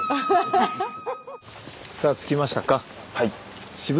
さあ着きましたか。